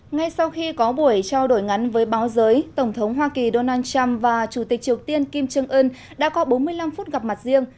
ngay sau khi có buổi trao đổi ngắn với báo giới tổng thống hoa kỳ donald trump và chủ tịch triều tiên kim trương ưn đã có bốn mươi năm phút gặp mặt riêng